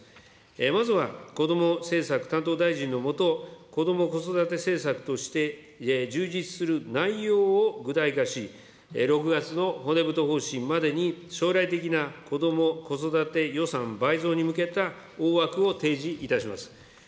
まずはこども政策担当大臣の下、こども・子育て政策として充実する内容を具体化し、６月の骨太方針までに将来的なこども・子育て予算倍増に向けた大枠を提示します。